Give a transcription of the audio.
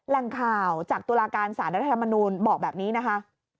แหล่งข่าวจากตุลาการสารรัฐธรรมนูลบอกแบบนี้นะคะ